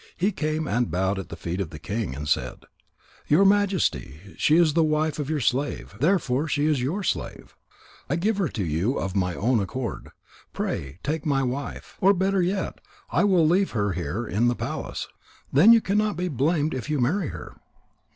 He came and bowed at the feet of the king and said: "Your Majesty, she is the wife of your slave, therefore she is your slave. I give her to you of my own accord. Pray take my wife. Or better yet, I will leave her here in the palace. Then you cannot be blamed if you marry her."